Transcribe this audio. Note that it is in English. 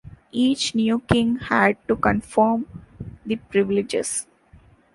Each new king had to confirm the privileges.